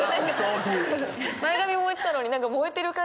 前髪燃えてたのに。